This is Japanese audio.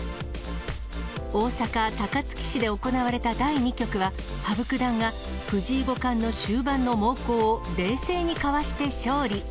大阪・高槻市で行われた第２局は、羽生九段が藤井五冠の終盤の猛攻を冷静にかわして勝利。